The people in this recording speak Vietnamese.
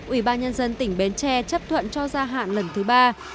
ủy ban nhân dân tỉnh bến tre chấp thuận cho gia hạn lần thứ ba